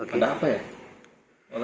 ada apa ya